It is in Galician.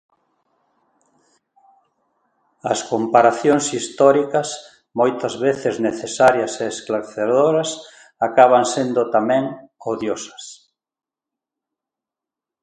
As comparación históricas, moitas veces necesarias e esclarecedoras, acaban sendo, tamén, odiosas.